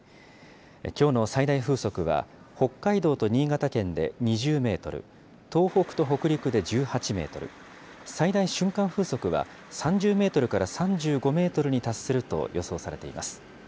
きょうの最大風速は、北海道と新潟県で２０メートル、東北と北陸で１８メートル、最大瞬間風速は３０メートルから３５メートルに達すると予想されています。